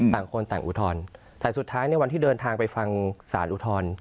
ต่างคนต่างอุทธรณ์แต่สุดท้ายในวันที่เดินทางไปฟังสารอุทธรณ์